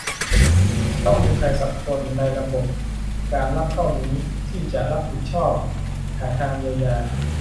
ต้องมีใครสักคนในระบบการรับเข้านี้ที่จะรับผิดชอบหาทางเยียวยา